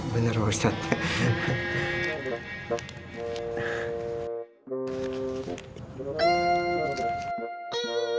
benar pak ustadz